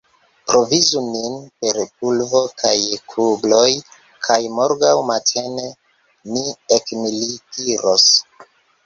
Provizu nin per pulvo kaj kugloj, kaj morgaŭ matene ni ekmilitiros.